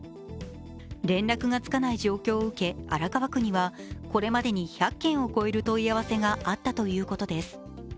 連絡がつかない状況を受け、荒川区には、これまでに１００件を超える問い合わせがあったということです。